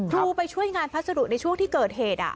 ไปช่วยงานพัสดุในช่วงที่เกิดเหตุ